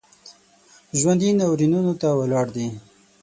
ژوندي ناورینونو ته ولاړ دي